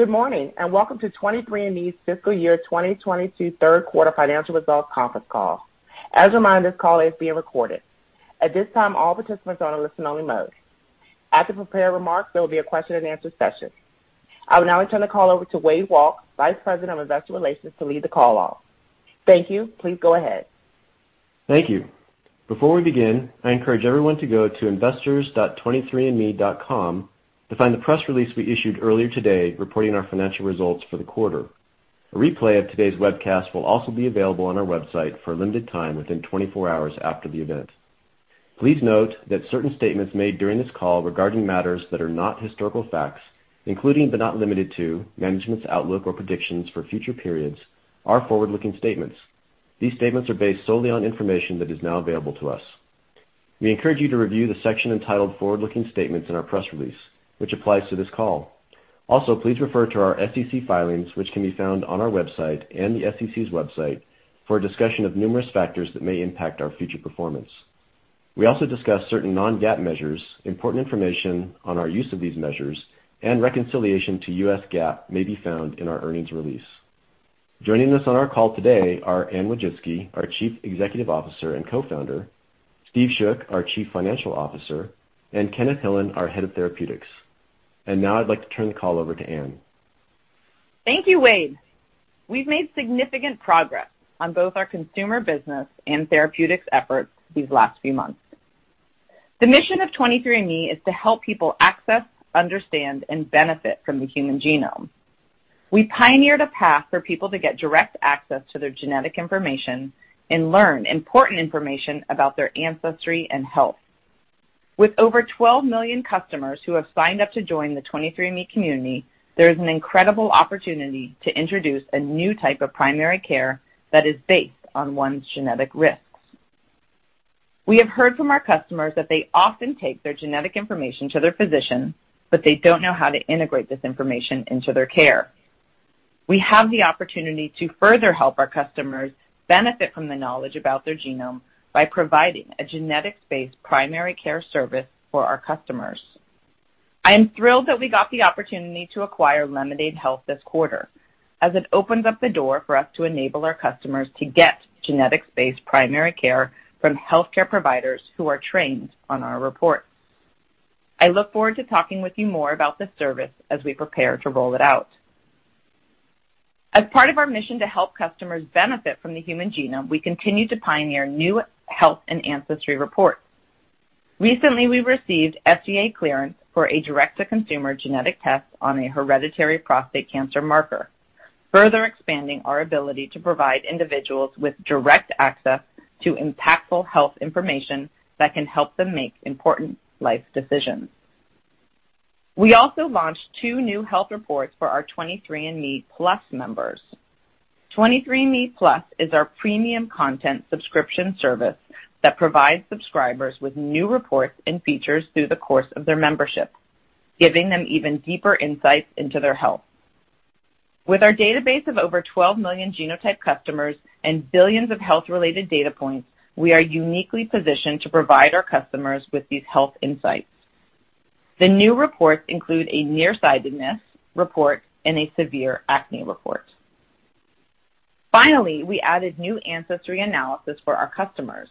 Good morning, and welcome to 23andMe's fiscal year 2022 third quarter financial results conference call. As a reminder, this call is being recorded. At this time, all participants are in listen-only mode. After prepared remarks, there will be a question-and-answer session. I will now turn the call over to Wade Walke, Vice President of Investor Relations, to lead the call off. Thank you. Please go ahead. Thank you. Before we begin, I encourage everyone to go to investors.23andme.com to find the press release we issued earlier today reporting our financial results for the quarter. A replay of today's webcast will also be available on our website for a limited time within 24 hours after the event. Please note that certain statements made during this call regarding matters that are not historical facts, including but not limited to management's outlook or predictions for future periods, are forward-looking statements. These statements are based solely on information that is now available to us. We encourage you to review the section entitled Forward Looking Statements in our press release, which applies to this call. Also, please refer to our SEC filings, which can be found on our website and the SEC's website, for a discussion of numerous factors that may impact our future performance. We also discuss certain non-GAAP measures. Important information on our use of these measures, and reconciliation to U.S. GAAP, may be found in our earnings release. Joining us on our call today are Anne Wojcicki, our Chief Executive Officer and Co-Founder, Steve Schoch, our Chief Financial Officer, and Kenneth Hillan, our Head of Therapeutics. Now I'd like to turn the call over to Anne. Thank you, Wade. We've made significant progress on both our consumer business and therapeutics efforts these last few months. The mission of 23andMe is to help people access, understand, and benefit from the human genome. We pioneered a path for people to get direct access to their genetic information and learn important information about their ancestry and health. With over 12 million customers who have signed up to join the 23andMe community, there is an incredible opportunity to introduce a new type of primary care that is based on one's genetic risks. We have heard from our customers that they often take their genetic information to their physician, but they don't know how to integrate this information into their care. We have the opportunity to further help our customers benefit from the knowledge about their genome by providing a genetics-based primary care service for our customers. I am thrilled that we got the opportunity to acquire Lemonaid Health this quarter, as it opens up the door for us to enable our customers to get genetics-based primary care from healthcare providers who are trained on our reports. I look forward to talking with you more about this service as we prepare to roll it out. As part of our mission to help customers benefit from the human genome, we continue to pioneer new health and ancestry reports. Recently, we received FDA clearance for a direct-to-consumer genetic test on a hereditary prostate cancer marker, further expanding our ability to provide individuals with direct access to impactful health information that can help them make important life decisions. We also launched two new health reports for our 23andMe+ members. 23andMe+ is our premium content subscription service that provides subscribers with new reports and features through the course of their membership, giving them even deeper insights into their health. With our database of over 12 million genotyped customers and billions of health-related data points, we are uniquely positioned to provide our customers with these health insights. The new reports include a nearsightedness report and a severe acne report. Finally, we added new ancestry analysis for our customers.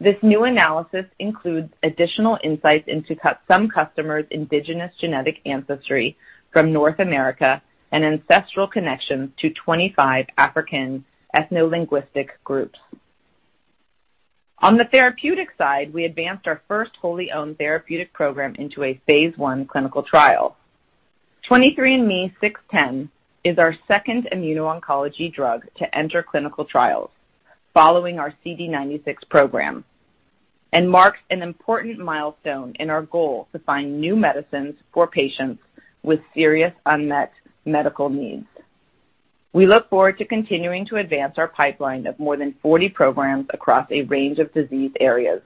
This new analysis includes additional insights into some customers' indigenous genetic ancestry from North America and ancestral connections to 25 African ethnolinguistic groups. On the therapeutic side, we advanced our first wholly owned therapeutic program into a phase I clinical trial. 23ME-00610 is our second immuno-oncology drug to enter clinical trials, following our CD96 program, and marks an important milestone in our goal to find new medicines for patients with serious unmet medical needs. We look forward to continuing to advance our pipeline of more than 40 programs across a range of disease areas,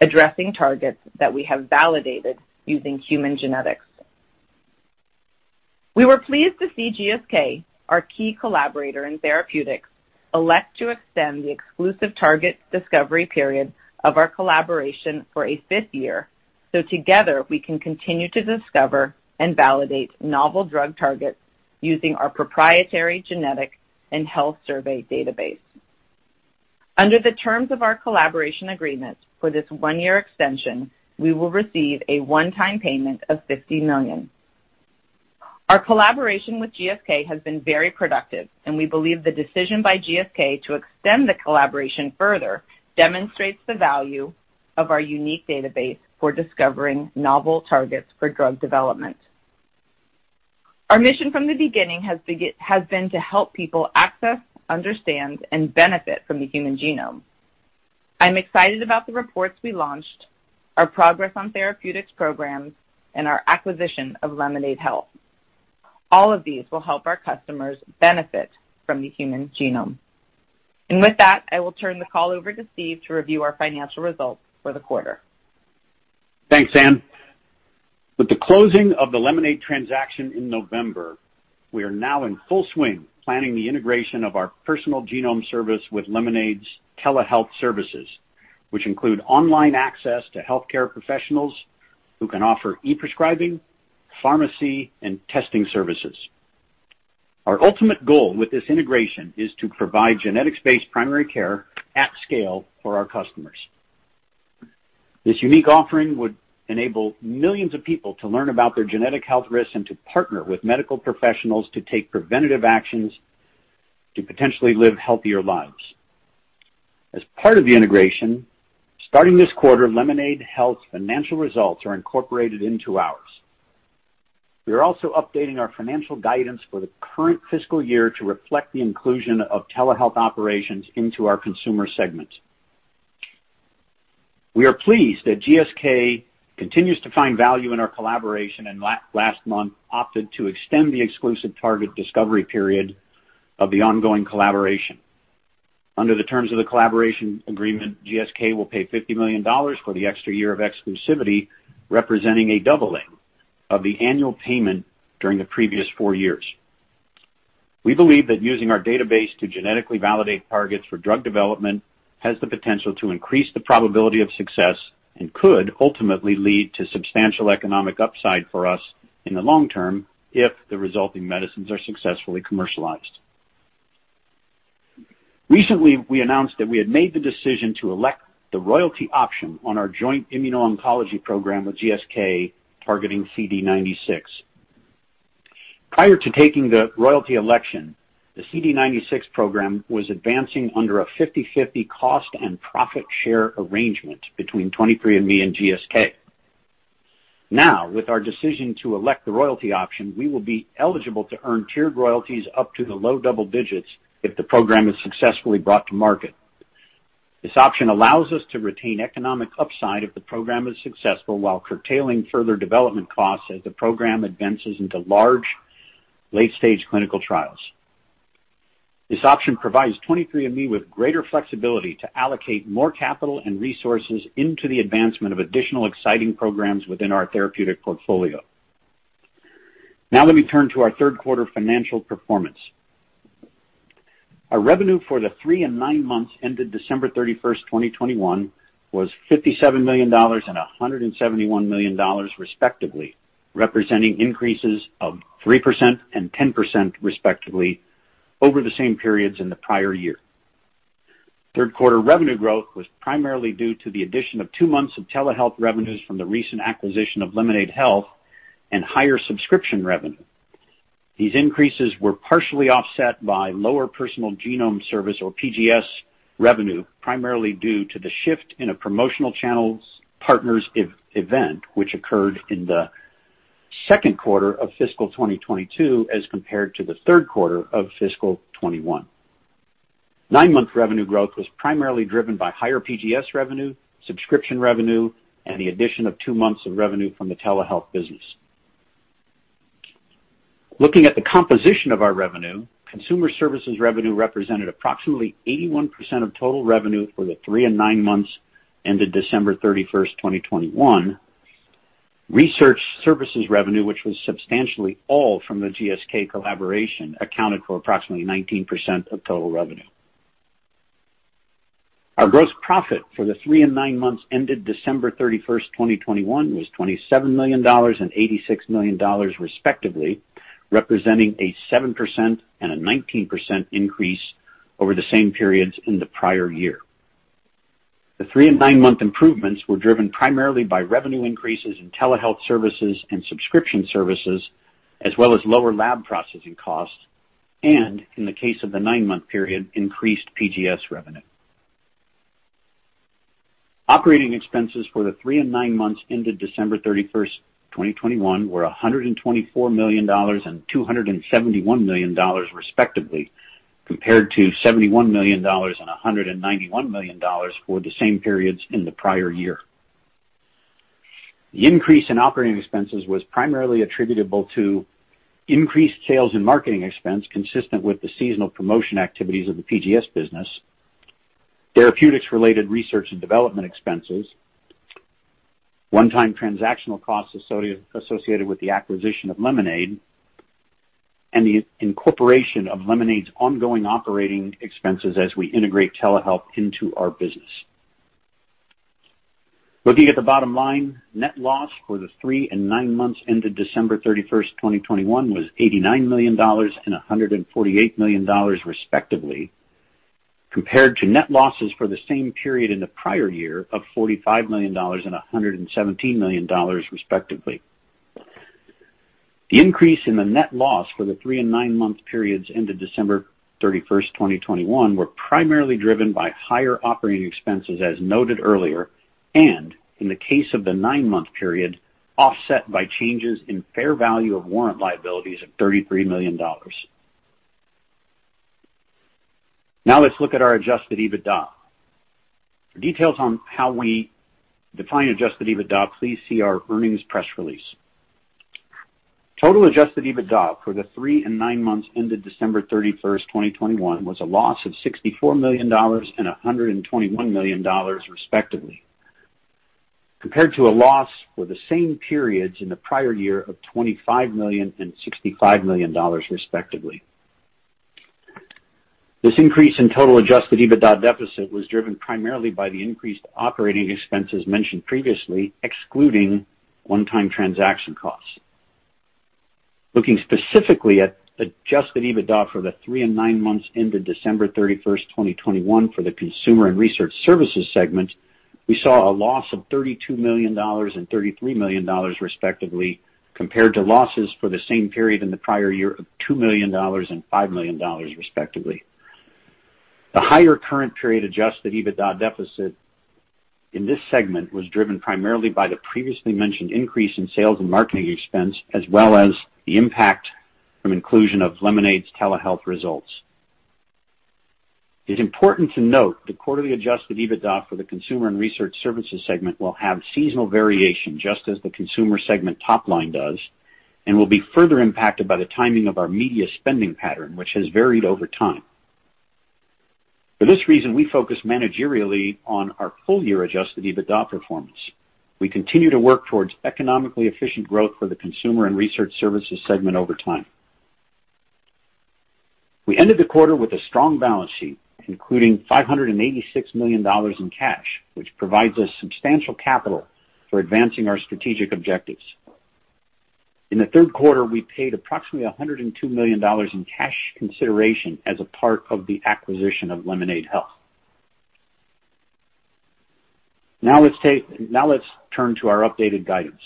addressing targets that we have validated using human genetics. We were pleased to see GSK, our key collaborator in therapeutics, elect to extend the exclusive target discovery period of our collaboration for a fifth year, so together we can continue to discover and validate novel drug targets using our proprietary genetic and health survey database. Under the terms of our collaboration agreement for this one-year extension, we will receive a one-time payment of $50 million. Our collaboration with GSK has been very productive, and we believe the decision by GSK to extend the collaboration further demonstrates the value of our unique database for discovering novel targets for drug development. Our mission from the beginning has been to help people access, understand, and benefit from the human genome. I'm excited about the reports we launched, our progress on therapeutics programs, and our acquisition of Lemonaid Health. All of these will help our customers benefit from the human genome. With that, I will turn the call over to Steve to review our financial results for the quarter. Thanks, Anne. With the closing of the Lemonaid transaction in November, we are now in full swing planning the integration of our Personal Genome Service with Lemonaid's telehealth services. Which include online access to healthcare professionals who can offer e-prescribing, pharmacy and testing services. Our ultimate goal with this integration is to provide genetics-based primary care at scale for our customers. This unique offering would enable millions of people to learn about their genetic health risks and to partner with medical professionals to take preventive actions to potentially live healthier lives. As part of the integration, starting this quarter, Lemonaid Health's financial results are incorporated into ours. We are also updating our financial guidance for the current fiscal year to reflect the inclusion of telehealth operations into our consumer segment. We are pleased that GSK continues to find value in our collaboration and last month opted to extend the exclusive target discovery period of the ongoing collaboration. Under the terms of the collaboration agreement, GSK will pay $50 million for the extra year of exclusivity, representing a doubling of the annual payment during the previous four years. We believe that using our database to genetically validate targets for drug development has the potential to increase the probability of success and could ultimately lead to substantial economic upside for us in the long term if the resulting medicines are successfully commercialized. Recently, we announced that we had made the decision to elect the royalty option on our joint immuno-oncology program with GSK, targeting CD96. Prior to taking the royalty election, the CD96 program was advancing under a 50/50 cost and profit share arrangement between 23andMe and GSK. Now, with our decision to elect the royalty option, we will be eligible to earn tiered royalties up to the low double digits if the program is successfully brought to market. This option allows us to retain economic upside if the program is successful, while curtailing further development costs as the program advances into large late-stage clinical trials. This option provides 23andMe with greater flexibility to allocate more capital and resources into the advancement of additional exciting programs within our therapeutic portfolio. Now let me turn to our third quarter financial performance. Our revenue for the three and nine months ended December 31st, 2021, was $57 million and $171 million, respectively, representing increases of 3% and 10%, respectively, over the same periods in the prior year. Third quarter revenue growth was primarily due to the addition of two months of telehealth revenues from the recent acquisition of Lemonaid Health and higher subscription revenue. These increases were partially offset by lower Personal Genome Service or PGS revenue, primarily due to the shift in a promotional channel partners event which occurred in the second quarter of fiscal 2022 as compared to the third quarter of fiscal 2021. Nine-month revenue growth was primarily driven by higher PGS revenue, subscription revenue, and the addition of two months of revenue from the telehealth business. Looking at the composition of our revenue, consumer services revenue represented approximately 81% of total revenue for the three and nine months ended December 31st, 2021. Research services revenue, which was substantially all from the GSK collaboration, accounted for approximately 19% of total revenue. Our gross profit for the three and nine months ended December 31st, 2021, was $27 million and $86 million, respectively, representing a 7% and a 19% increase over the same periods in the prior year. The three and nine month improvements were driven primarily by revenue increases in telehealth services and subscription services, as well as lower lab processing costs, and in the case of the nine-month period, increased PGS revenue. Operating expenses for the three and nine months ended December 31st, 2021, were $124 million and $271 million, respectively, compared to $71 million and $191 million for the same periods in the prior year. The increase in operating expenses was primarily attributable to increased sales and marketing expense, consistent with the seasonal promotion activities of the PGS business, therapeutics-related research and development expenses, one-time transactional costs associated with the acquisition of Lemonaid Health, and the incorporation of Lemonaid Health's ongoing operating expenses as we integrate telehealth into our business. Looking at the bottom line, net loss for the three and nine months ended December 31st, 2021, was $89 million and $148 million, respectively, compared to net losses for the same period in the prior year of $45 million and $117 million, respectively. The increase in the net loss for the three and nine month periods ended December 31st, 2021, were primarily driven by higher operating expenses as noted earlier, and in the case of the nine month period, offset by changes in fair value of warrant liabilities of $33 million. Now let's look at our Adjusted EBITDA. For details on how we define Adjusted EBITDA, please see our earnings press release. Total Adjusted EBITDA for the three and nine months ended December 31st, 2021, was a loss of $64 million and $121 million, respectively. Compared to a loss for the same periods in the prior year of $25 million and $65 million respectively. This increase in total Adjusted EBITDA deficit was driven primarily by the increased operating expenses mentioned previously, excluding one-time transaction costs. Looking specifically at Adjusted EBITDA for the three and nine months ended December 31st, 2021, for the Consumer and Research Services segment, we saw a loss of $32 million and $33 million respectively, compared to losses for the same period in the prior year of $2 million and $5 million respectively. The higher current period Adjusted EBITDA deficit in this segment was driven primarily by the previously mentioned increase in sales and marketing expense, as well as the impact from inclusion of Lemonaid's telehealth results. It's important to note the quarterly Adjusted EBITDA for the Consumer and Research Services segment will have seasonal variation, just as the Consumer segment top line does, and will be further impacted by the timing of our media spending pattern, which has varied over time. For this reason, we focus managerially on our full year Adjusted EBITDA performance. We continue to work towards economically efficient growth for the Consumer and Research Services segment over time. We ended the quarter with a strong balance sheet, including $586 million in cash, which provides us substantial capital for advancing our strategic objectives. In the third quarter, we paid approximately $102 million in cash consideration as a part of the acquisition of Lemonaid Health. Now let's turn to our updated guidance.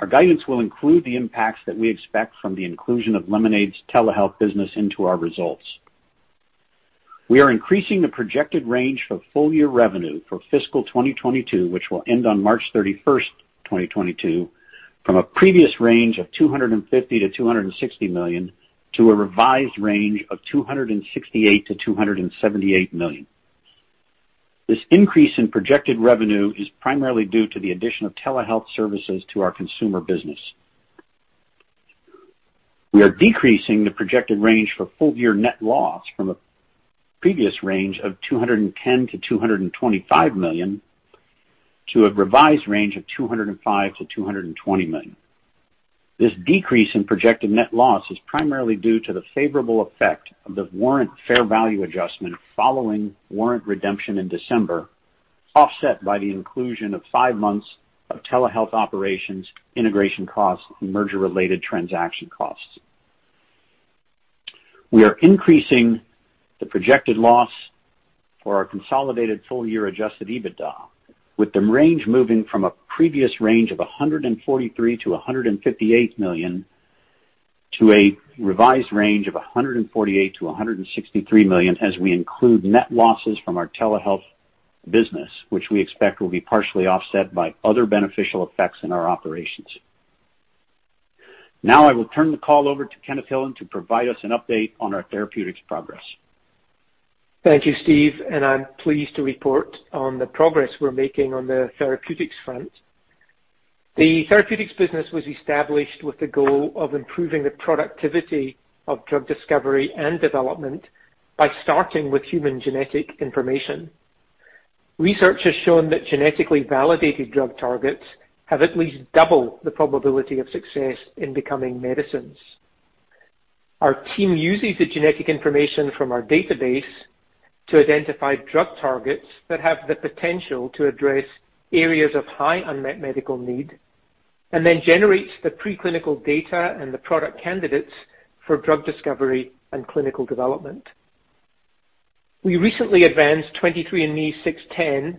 Our guidance will include the impacts that we expect from the inclusion of Lemonaid's telehealth business into our results. We are increasing the projected range for full year revenue for fiscal 2022, which will end on March 31st, 2022, from a previous range of $250 million-$260 million to a revised range of $268 million-$278 million. This increase in projected revenue is primarily due to the addition of telehealth services to our consumer business. We are decreasing the projected range for full year net loss from a previous range of $210 million-$225 million to a revised range of $205 million-$220 million. This decrease in projected net loss is primarily due to the favorable effect of the warrant fair value adjustment following warrant redemption in December, offset by the inclusion of five months of telehealth operations, integration costs, and merger-related transaction costs. We are increasing the projected loss for our consolidated full-year Adjusted EBITDA, with the range moving from a previous range of $143 million-$158 million to a revised range of $148 million-$163 million as we include net losses from our telehealth business, which we expect will be partially offset by other beneficial effects in our operations. Now I will turn the call over to Kenneth Hillan to provide us an update on our therapeutics progress. Thank you, Steve, and I'm pleased to report on the progress we're making on the therapeutics front. The therapeutics business was established with the goal of improving the productivity of drug discovery and development by starting with human genetic information. Research has shown that genetically validated drug targets have at least double the probability of success in becoming medicines. Our team uses the genetic information from our database to identify drug targets that have the potential to address areas of high unmet medical need and then generates the preclinical data and the product candidates for drug discovery and clinical development. We recently advanced 23ME-00610,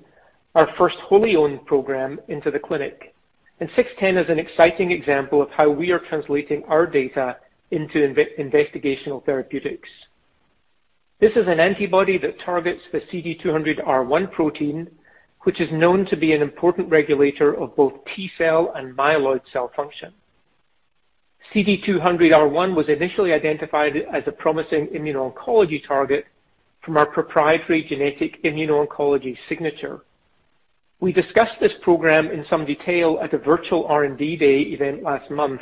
our first wholly-owned program into the clinic and 00610 is an exciting example of how we are translating our data into investigational therapeutics. This is an antibody that targets the CD200R1 protein, which is known to be an important regulator of both T-cell and myeloid cell function. CD200R1 was initially identified as a promising immuno-oncology target from our proprietary genetic immuno-oncology signature. We discussed this program in some detail at the virtual R&D day event last month,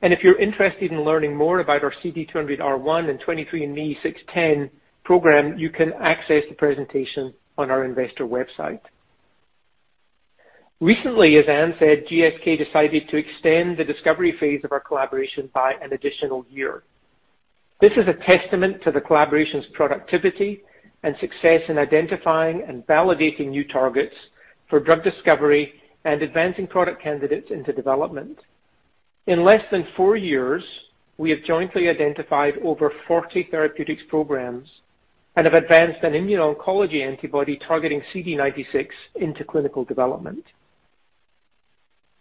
and if you're interested in learning more about our CD200R1 and 23ME-00610 program, you can access the presentation on our investor website. Recently, as Anne said, GSK decided to extend the discovery phase of our collaboration by an additional year. This is a testament to the collaboration's productivity and success in identifying and validating new targets for drug discovery and advancing product candidates into development. In less than four years, we have jointly identified over 40 therapeutics programs and have advanced an immuno-oncology antibody targeting CD96 into clinical development.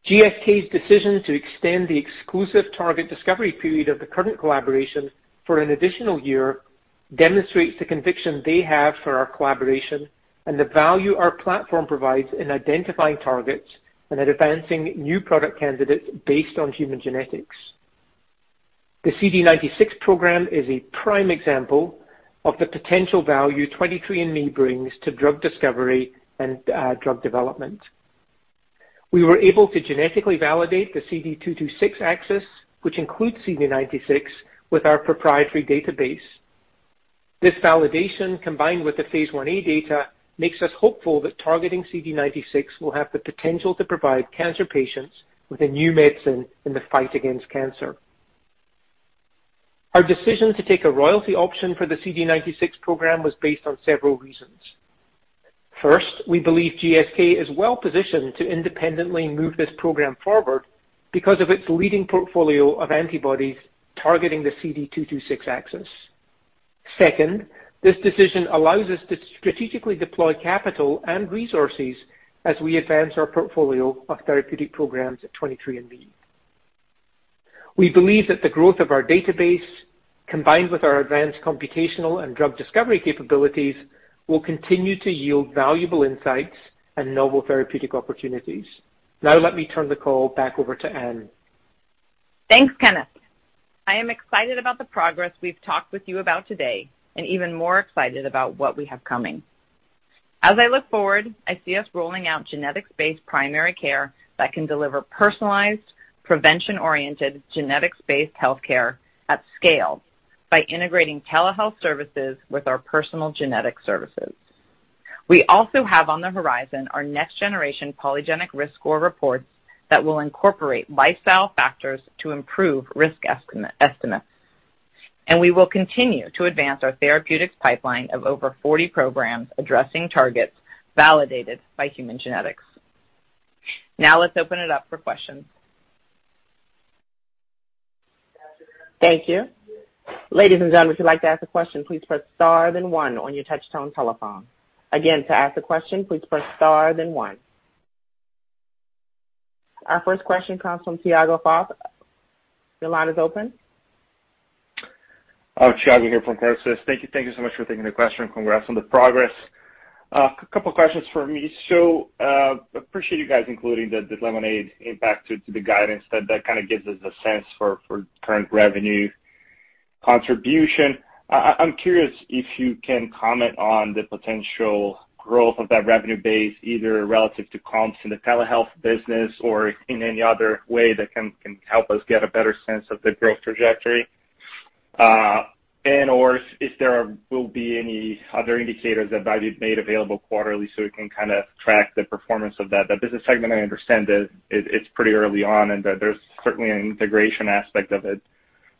GSK's decision to extend the exclusive target discovery period of the current collaboration for an additional year demonstrates the conviction they have for our collaboration and the value our platform provides in identifying targets and advancing new product candidates based on human genetics. The CD96 program is a prime example of the potential value 23andMe brings to drug discovery and drug development. We were able to genetically validate the CD226 axis, which includes CD96, with our proprietary database. This validation, combined with the phase Ia data, makes us hopeful that targeting CD96 will have the potential to provide cancer patients with a new medicine in the fight against cancer. Our decision to take a royalty option for the CD96 program was based on several reasons. First, we believe GSK is well-positioned to independently move this program forward because of its leading portfolio of antibodies targeting the CD226 axis. Second, this decision allows us to strategically deploy capital and resources as we advance our portfolio of therapeutic programs at 23andMe. We believe that the growth of our database, combined with our advanced computational and drug discovery capabilities, will continue to yield valuable insights and novel therapeutic opportunities. Now let me turn the call back over to Anne. Thanks, Kenneth. I am excited about the progress we've talked with you about today and even more excited about what we have coming. As I look forward, I see us rolling out genetics-based primary care that can deliver personalized, prevention-oriented, genetics-based healthcare at scale by integrating telehealth services with our personal genetic services. We also have on the horizon our next-generation polygenic risk score reports that will incorporate lifestyle factors to improve risk estimates. We will continue to advance our therapeutics pipeline of over 40 programs addressing targets validated by human genetics. Now let's open it up for questions. Thank you. Ladies and gentlemen, if you'd like to ask a question, please press star then one on your touchtone telephone. Again, to ask a question, please press star then one. Our first question comes from Tiago Fauth. Your line is open. Tiago here from Credit Suisse. Thank you. Thank you so much for taking the question. Congrats on the progress. A couple of questions for me. Appreciate you guys including the Lemonaid impact to the guidance. That kinda gives us a sense for current revenue contribution. I'm curious if you can comment on the potential growth of that revenue base, either relative to comps in the telehealth business or in any other way that can help us get a better sense of the growth trajectory. And/or if there will be any other indicators of value made available quarterly so we can kinda track the performance of that business segment. I understand that it's pretty early on and that there's certainly an integration aspect of it.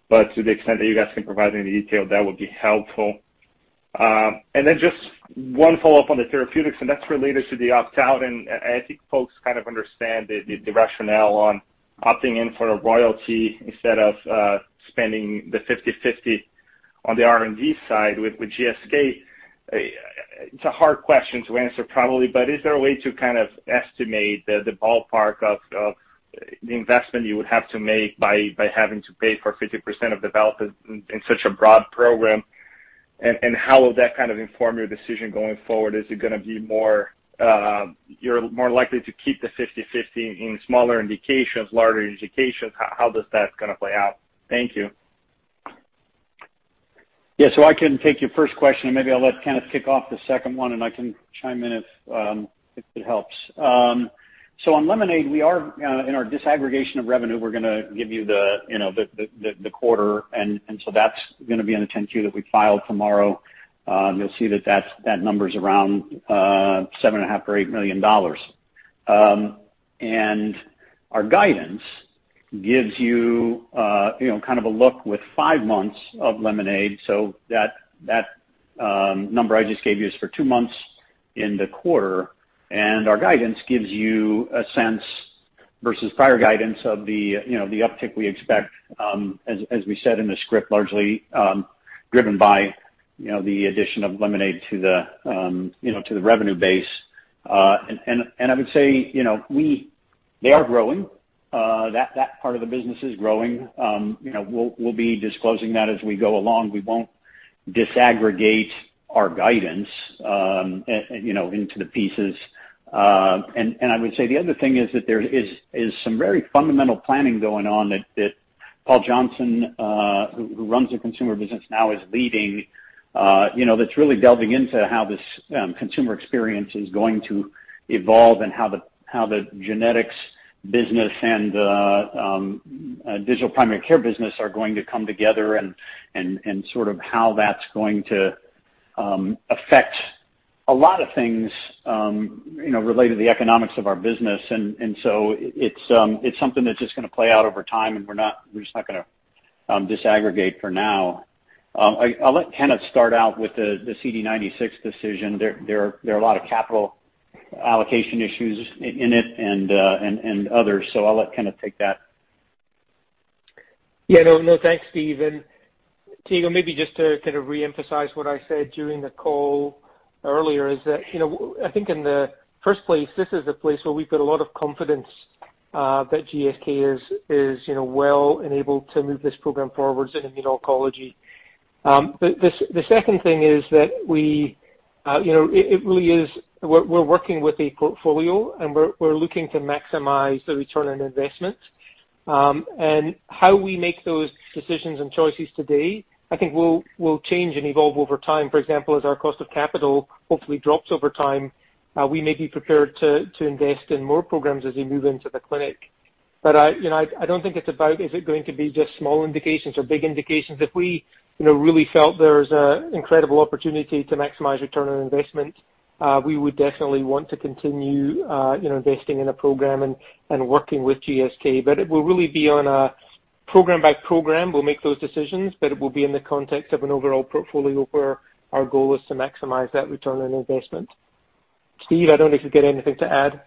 To the extent that you guys can provide any detail, that would be helpful. Then just one follow-up on the therapeutics, and that's related to the opt-out. I think folks kind of understand the rationale on opting in for a royalty instead of spending the 50/50 on the R&D side with GSK. It's a hard question to answer, probably, but is there a way to kind of estimate the ballpark of the investment you would have to make by having to pay for 50% of development in such a broad program? And how will that kind of inform your decision going forward? Is it gonna be more, you're more likely to keep the 50/50 in smaller indications, larger indications? How does that kinda play out? Thank you. Yeah. I can take your first question, and maybe I'll let Kenneth kick off the second one, and I can chime in if it helps. On Lemonaid, we are in our disaggregation of revenue, we're gonna give you the, you know, the quarter and so that's gonna be in the 10-Q that we file tomorrow. You'll see that that's, that number's around $7.5 million or $8 million. And our guidance gives you know, kind of a look with five months of Lemonaid. That number I just gave you is for two months in the quarter. Our guidance gives you a sense versus prior guidance of the, you know, the uptick we expect, as we said in the script, largely driven by, you know, the addition of Lemonaid to the, you know, to the revenue base. I would say, you know, they are growing. That part of the business is growing. You know, we'll be disclosing that as we go along. We won't disaggregate our guidance, you know, into the pieces. I would say the other thing is that there is some very fundamental planning going on that Paul Johnson, who runs the consumer business now, is leading, you know, that's really delving into how this consumer experience is going to evolve and how the genetics business and the digital primary care business are going to come together and sort of how that's going to affect a lot of things, you know, related to the economics of our business. It's something that's just gonna play out over time, and we're just not gonna disaggregate for now. I'll let Kenneth start out with the CD96 decision. There are a lot of capital allocation issues in it and others. I'll let Kenneth take that. Yeah. No, no, thanks, Steve. Tiago, maybe just to kind of reemphasize what I said during the call earlier is that, you know, I think in the first place, this is a place where we've got a lot of confidence that GSK is, you know, well and able to move this program forward in immuno-oncology. The second thing is that we, you know, it really is we're working with a portfolio, and we're looking to maximize the return on investment. How we make those decisions and choices today, I think will change and evolve over time. For example, as our cost of capital hopefully drops over time, we may be prepared to invest in more programs as we move into the clinic. I, you know, don't think it's about is it going to be just small indications or big indications. If we, you know, really felt there was an incredible opportunity to maximize return on investment, we would definitely want to continue, you know, investing in a program and working with GSK. It will really be on a program-by-program, we'll make those decisions, but it will be in the context of an overall portfolio where our goal is to maximize that return on investment. Steve, I don't know if you got anything to add.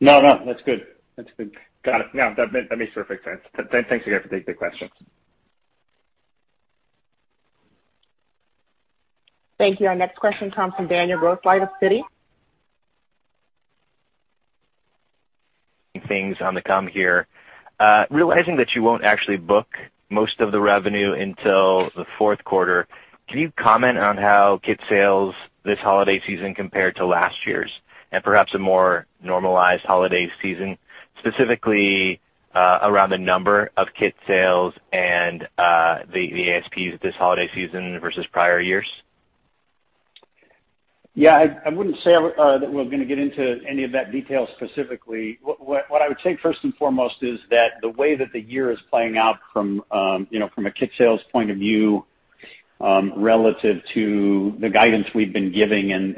No, no, that's good. That's good. Got it. No, that makes perfect sense. Thanks again for taking the questions. Thank you. Our next question comes from Daniel Grosslight of Citi. Thanks on the call here, realizing that you won't actually book most of the revenue until the fourth quarter, can you comment on how kit sales this holiday season compared to last year's, and perhaps a more normalized holiday season, specifically around the number of kit sales and the ASPs this holiday season versus prior years? Yeah, I wouldn't say that we're gonna get into any of that detail specifically. What I would say first and foremost is that the way that the year is playing out from you know from a kit sales point of view relative to the guidance we've been giving and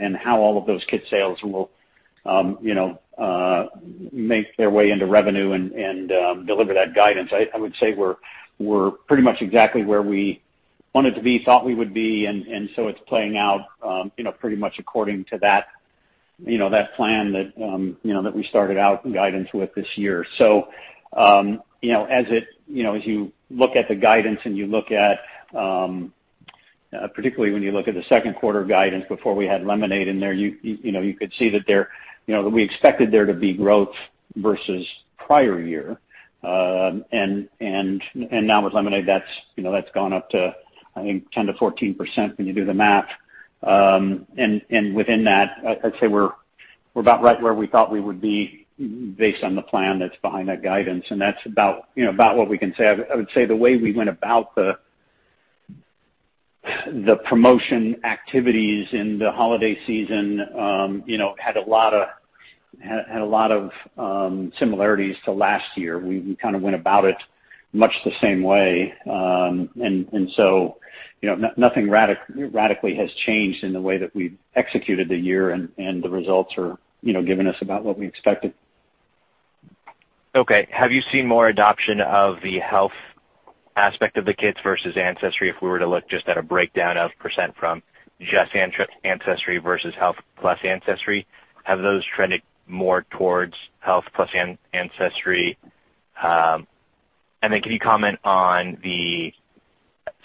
make their way into revenue and deliver that guidance. I would say we're pretty much exactly where we wanted to be, thought we would be, and so it's playing out you know pretty much according to that you know that plan that you know that we started out in guidance with this year. You know, as you look at the guidance and you look at, particularly when you look at the second quarter guidance before we had Lemonaid in there, you know, you could see that we expected there to be growth versus prior year. And now with Lemonaid, that's you know, that's gone up to, I think 10%-14% when you do the math. And within that, I'd say we're about right where we thought we would be based on the plan that's behind that guidance, and that's about you know, about what we can say. I would say the way we went about the promotion activities in the holiday season, you know, had a lot of similarities to last year. We kind of went about it much the same way. You know, nothing radically has changed in the way that we've executed the year, and the results are, you know, giving us about what we expected. Okay. Have you seen more adoption of the health aspect of the kits versus Ancestry if we were to look just at a breakdown of percentage from just Ancestry versus health plus Ancestry? Have those trended more towards health plus Ancestry? Can you comment on the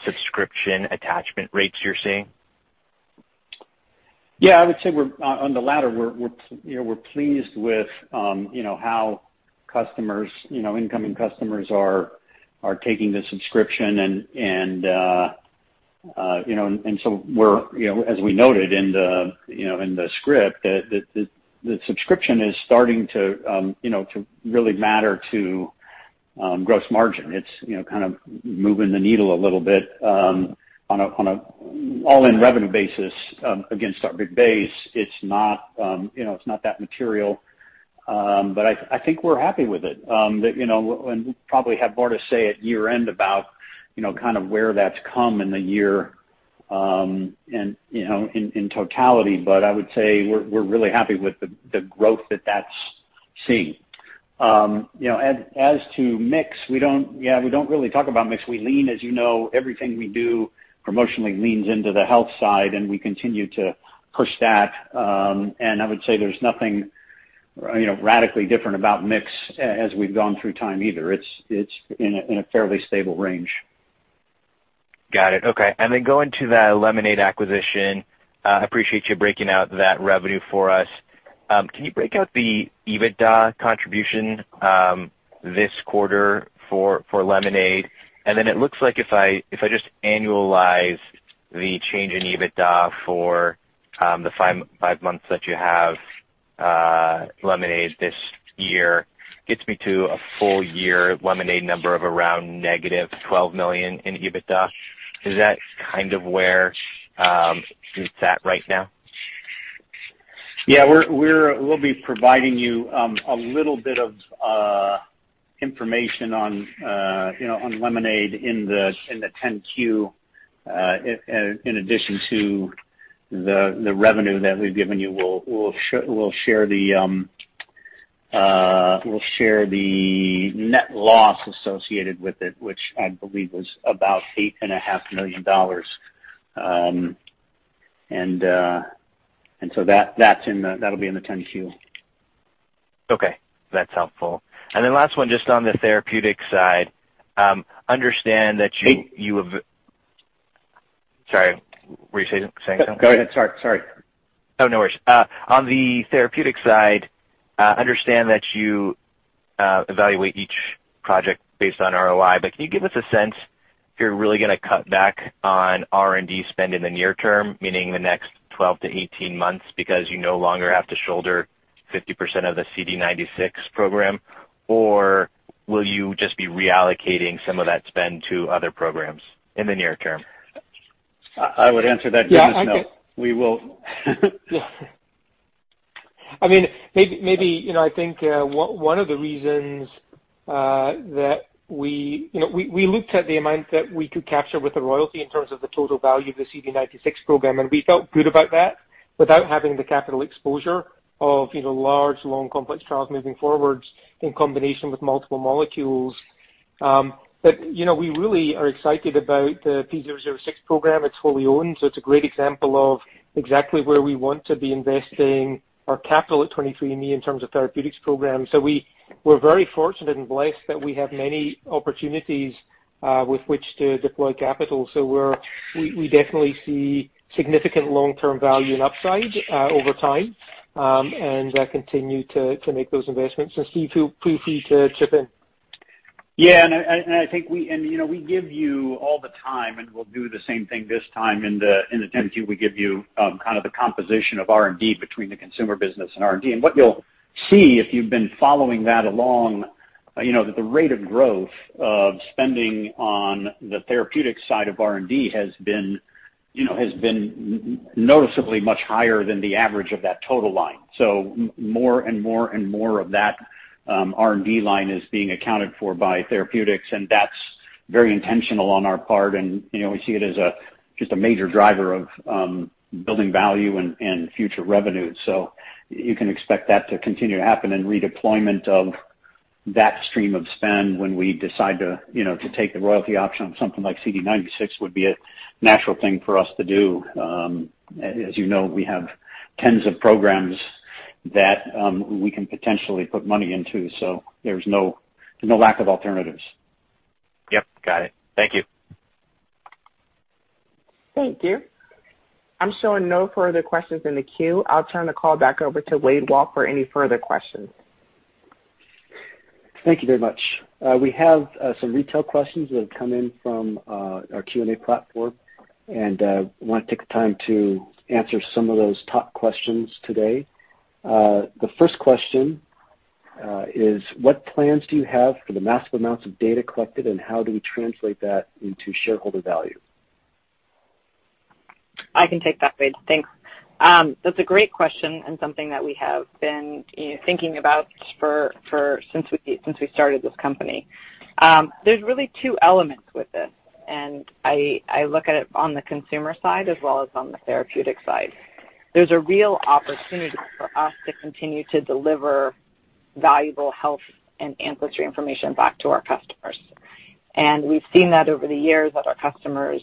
subscription attachment rates you're seeing? Yeah, I would say we're on the latter. We're, you know, pleased with, you know, how incoming customers are taking the subscription and, you know, and so we're, you know, as we noted in the, you know, in the script, the subscription is starting to, you know, to really matter to gross margin. It's, you know, kind of moving the needle a little bit on a all-in revenue basis against our big base. It's not, you know, it's not that material. I think we're happy with it. We'll probably have more to say at year-end about, you know, kind of where that's come in the year and, you know, in totality. I would say we're really happy with the growth that that's seeing. You know, as to mix, we don't really talk about mix. We lean, as you know, everything we do promotionally leans into the health side, and we continue to push that. I would say there's nothing, you know, radically different about mix as we've gone through time either. It's in a fairly stable range. Got it. Okay. Going to the Lemonaid acquisition, I appreciate you breaking out that revenue for us. Can you break out the EBITDA contribution this quarter for Lemonaid? It looks like if I just annualize the change in EBITDA for the five months that you have Lemonaid this year, gets me to a full year Lemonaid number of around -$12 million in EBITDA. Is that kind of where it's at right now? Yeah. We'll be providing you a little bit of information on, you know, on Lemonaid in the 10-Q, in addition to the revenue that we've given you. We'll share the net loss associated with it, which I believe was about $8.5 million. That's in the 10-Q. Okay. That's helpful. Last one, just on the therapeutics side. Understand that you. Hey. Sorry. Were you saying something? Go ahead. Sorry. Oh, no worries. On the therapeutics side, I understand that you evaluate each project based on ROI. Can you give us a sense if you're really gonna cut back on R&D spend in the near term, meaning the next 12-18 months, because you no longer have to shoulder 50% of the CD96 program? Or will you just be reallocating some of that spend to other programs in the near term? I would answer that business note. We will I mean, maybe, you know, I think, one of the reasons that we looked at the amount that we could capture with the royalty in terms of the total value of the CD96 program, and we felt good about that without having the capital exposure of, you know, large, long, complex trials moving forward in combination with multiple molecules. You know, we really are excited about the P006 program. It's fully owned, so it's a great example of exactly where we want to be investing our capital at 23andMe in terms of therapeutics programs. We're very fortunate and blessed that we have many opportunities with which to deploy capital. We definitely see significant long-term value and upside over time, and continue to make those investments. Steve, feel free to chip in. Yeah. I think we give you all the time, and we'll do the same thing this time in the 10-Q. We give you kind of the composition of R&D between the Consumer Business and R&D. What you'll see if you've been following that along, you know, that the rate of growth of spending on the Therapeutics side of R&D has been noticeably much higher than the average of that total line. More and more of that R&D line is being accounted for by Therapeutics, and that's very intentional on our part. You know, we see it as just a major driver of building value and future revenue. You can expect that to continue to happen and redeployment of that stream of spend when we decide to, you know, to take the royalty option on something like CD96 would be a natural thing for us to do. As you know, we have tens of programs that we can potentially put money into, so there's no lack of alternatives. Yep. Got it. Thank you. Thank you. I'm showing no further questions in the queue. I'll turn the call back over to Wade Walke for any further questions. Thank you very much. We have some retail questions that have come in from our Q&A platform, and want to take the time to answer some of those top questions today. The first question is what plans do you have for the massive amounts of data collected, and how do we translate that into shareholder value? I can take that, Wade. Thanks. That's a great question and something that we have been, you know, thinking about since we started this company. There's really two elements with this, and I look at it on the consumer side as well as on the therapeutic side. There's a real opportunity for us to continue to deliver valuable health and ancestry information back to our customers. We've seen that over the years that our customers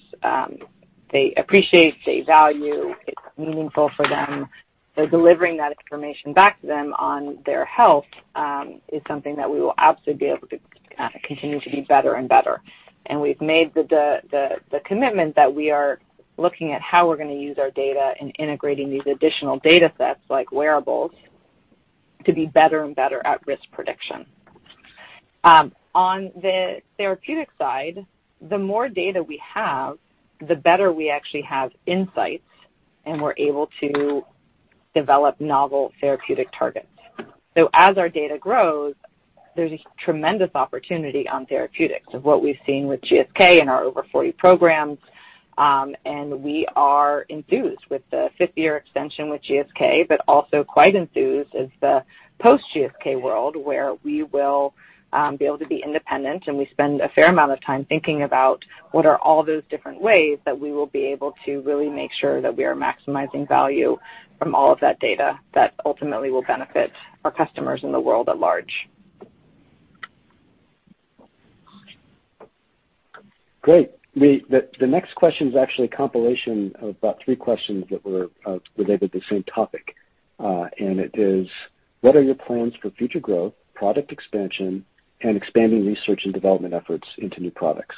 they appreciate, they value, it's meaningful for them. Delivering that information back to them on their health is something that we will absolutely be able to continue to be better and better. We've made the commitment that we are looking at how we're gonna use our data in integrating these additional data sets like wearables to be better and better at risk prediction. On the therapeutic side, the more data we have, the better we actually have insights, and we're able to develop novel therapeutic targets. As our data grows, there's a tremendous opportunity on therapeutics of what we've seen with GSK and our over 40 programs. We are enthused with the fifth-year extension with GSK, but also quite enthused is the post-GSK world, where we will be able to be independent, and we spend a fair amount of time thinking about what are all those different ways that we will be able to really make sure that we are maximizing value from all of that data that ultimately will benefit our customers in the world at large. Great. The next question is actually a compilation of about three questions that were related to the same topic, and it is, what are your plans for future growth, product expansion, and expanding research and development efforts into new products?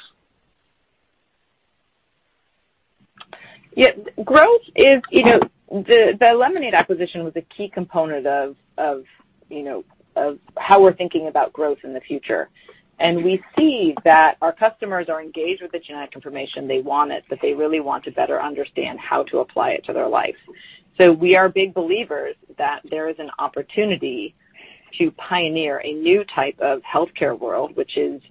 Yeah. Growth is, you know. The Lemonaid Health acquisition was a key component of you know of how we're thinking about growth in the future. We see that our customers are engaged with the genetic information, they want it, but they really want to better understand how to apply it to their life. We are big believers that there is an opportunity to pioneer a new type of healthcare world, which is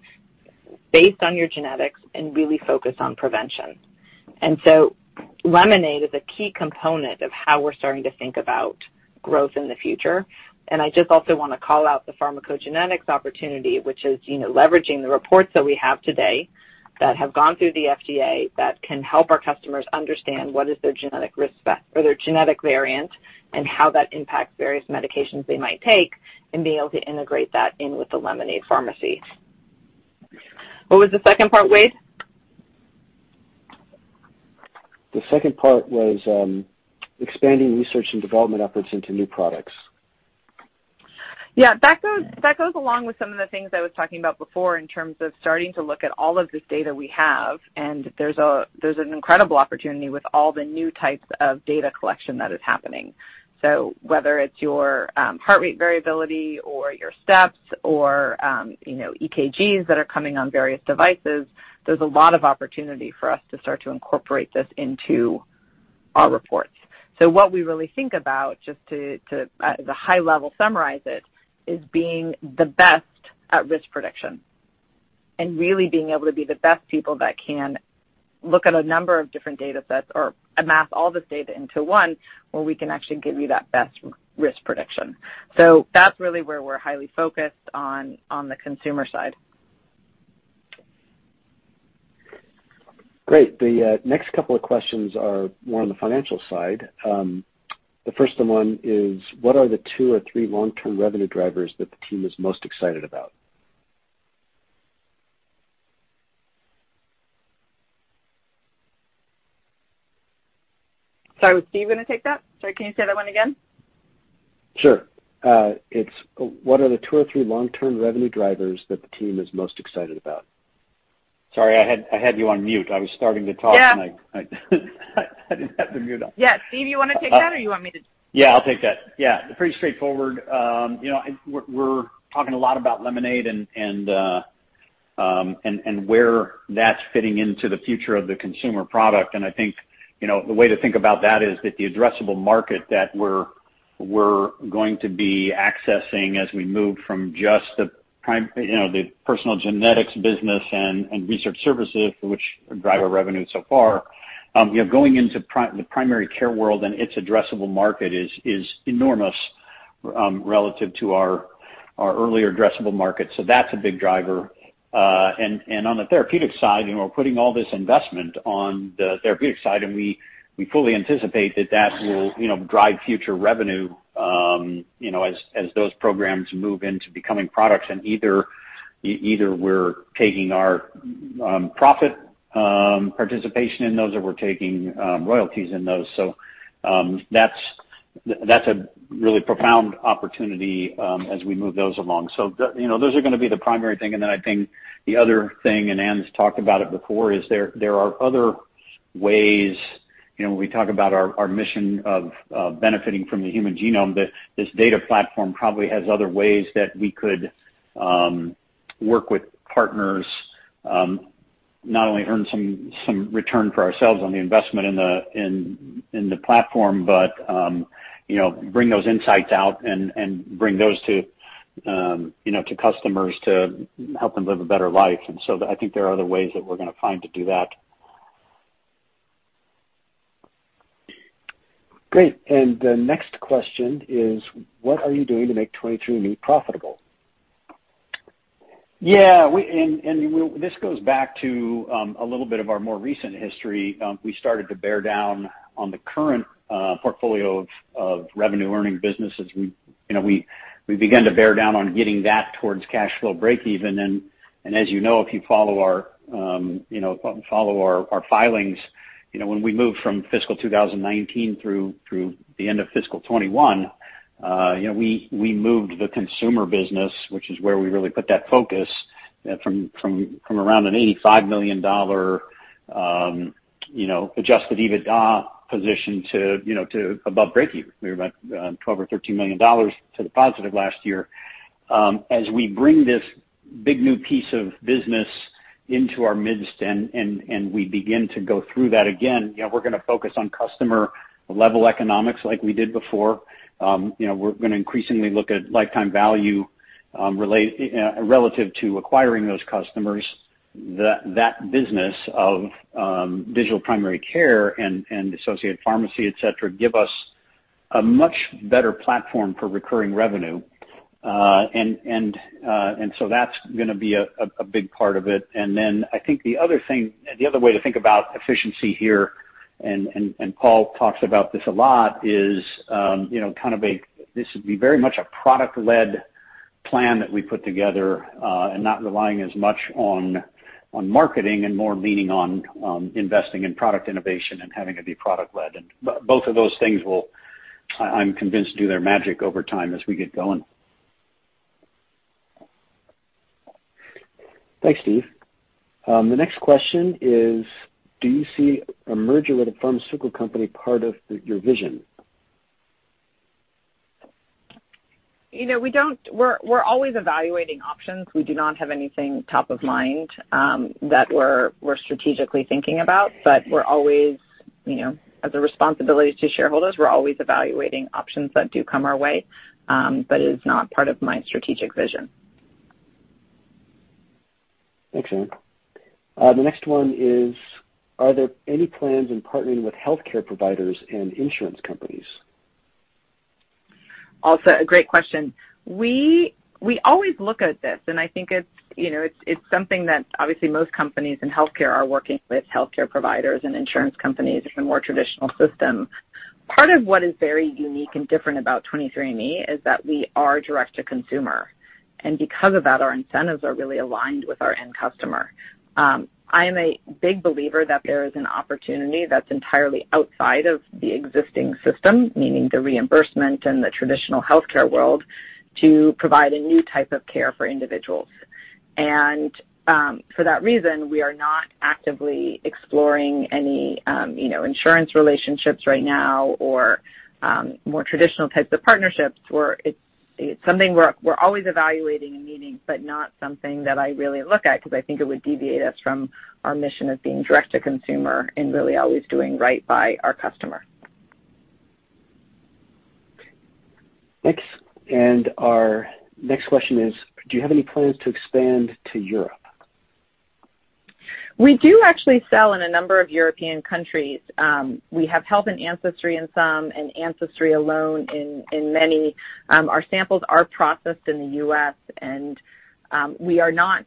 based on your genetics and really focus on prevention. Lemonaid Health is a key component of how we're starting to think about growth in the future. I just also wanna call out the pharmacogenetics opportunity, which is, you know, leveraging the reports that we have today that have gone through the FDA that can help our customers understand what is their genetic risk or their genetic variant and how that impacts various medications they might take, and being able to integrate that in with the Lemonaid pharmacy. What was the second part, Wade? The second part was expanding research and development efforts into new products. Yeah. That goes along with some of the things I was talking about before in terms of starting to look at all of this data we have, and there's an incredible opportunity with all the new types of data collection that is happening. Whether it's your heart rate variability or your steps or you know, EKGs that are coming on various devices, there's a lot of opportunity for us to start to incorporate this into our reports. What we really think about, just to high-level summarize it, is being the best at risk prediction and really being able to be the best people that can look at a number of different data sets or amass all this data into one where we can actually give you that best risk prediction. That's really where we're highly focused on the consumer side. Great. The next couple of questions are more on the financial side. The first one is what are the two or three long-term revenue drivers that the team is most excited about? Sorry, was Steve gonna take that? Sorry, can you say that one again? Sure. It's what are the two or three long-term revenue drivers that the team is most excited about? Sorry, I had you on mute. I was starting to talk. Yeah. I didn't have the mute on. Yeah. Steve, you wanna take that or you want me to? Yeah, I'll take that. Yeah, pretty straightforward. You know, we're talking a lot about Lemonaid Health and where that's fitting into the future of the consumer product. I think, you know, the way to think about that is that the addressable market that we're going to be accessing as we move from just the personal genetics business and research services, which drive our revenue so far, you know, going into the primary care world and its addressable market is enormous, relative to our earlier addressable market. That's a big driver. On the therapeutics side, you know, we're putting all this investment on the therapeutics side, and we fully anticipate that that will, you know, drive future revenue, you know, as those programs move into becoming products. Either we're taking our profit participation in those or we're taking royalties in those. That's a really profound opportunity as we move those along. You know, those are gonna be the primary thing. Then I think the other thing, and Anne's talked about it before, is there are other ways, you know, when we talk about our mission of benefiting from the human genome, that this data platform probably has other ways that we could work with partners, not only earn some return for ourselves on the investment in the platform, but you know, bring those insights out and bring those to you know, to customers to help them live a better life. I think there are other ways that we're gonna find to do that. Great. The next question is what are you doing to make 23andMe profitable? This goes back to a little bit of our more recent history. We started to bear down on the current portfolio of revenue-earning businesses. We, you know, began to bear down on getting that towards cash flow breakeven. As you know, if you follow our filings, you know, when we moved from fiscal 2019 through the end of fiscal 2021, you know, we moved the consumer business, which is where we really put that focus, from around an $85 million Adjusted EBITDA position to above breakeven. We were about $12 million or $13 million to the positive last year. As we bring this big new piece of business into our midst and we begin to go through that again, you know, we're gonna focus on customer-level economics like we did before. You know, we're gonna increasingly look at lifetime value relative to acquiring those customers, that business of digital primary care and associated pharmacy, etc., give us a much better platform for recurring revenue. That's gonna be a big part of it. Then I think the other thing, the other way to think about efficiency here, and Paul talks about this a lot, is this would be very much a product-led plan that we put together, and not relying as much on marketing and more leaning on investing in product innovation and having it be product-led. Both of those things will, I'm convinced, do their magic over time as we get going. Thanks, Steve. The next question is, do you see a merger with a pharmaceutical company part of your vision? You know, we're always evaluating options. We do not have anything top of mind that we're strategically thinking about. We're always, you know, as a responsibility to shareholders, we're always evaluating options that do come our way, but it is not part of my strategic vision. Thanks, Anne. The next one is, are there any plans in partnering with healthcare providers and insurance companies? Also a great question. We always look at this, and I think it's, you know, it's something that obviously most companies in healthcare are working with healthcare providers and insurance companies in a more traditional system. Part of what is very unique and different about 23andMe is that we are direct to consumer, and because of that, our incentives are really aligned with our end customer. I am a big believer that there is an opportunity that's entirely outside of the existing system, meaning the reimbursement and the traditional healthcare world, to provide a new type of care for individuals. For that reason, we are not actively exploring any, you know, insurance relationships right now or, more traditional types of partnerships where it's something we're always evaluating and needing, but not something that I really look at because I think it would deviate us from our mission of being direct to consumer and really always doing right by our customer. Thanks. Our next question is, do you have any plans to expand to Europe? We do actually sell in a number of European countries. We have health and ancestry in some and ancestry alone in many. Our samples are processed in the U.S. and we are not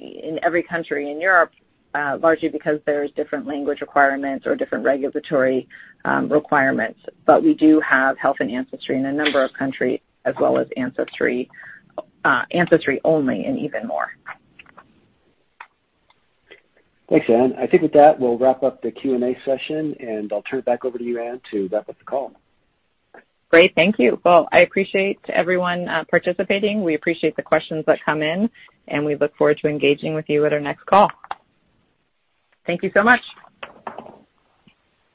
in every country in Europe, largely because there's different language requirements or different regulatory requirements. We do have health and ancestry in a number of countries as well as ancestry only and even more. Thanks, Anne. I think with that, we'll wrap up the Q&A session, and I'll turn it back over to you, Anne, to wrap up the call. Great. Thank you. Well, I appreciate everyone participating. We appreciate the questions that come in, and we look forward to engaging with you at our next call. Thank you so much.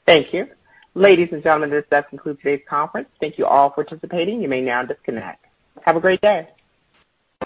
Thank you. Ladies and gentlemen, this does conclude today's conference. Thank you all for participating. You may now disconnect. Have a great day.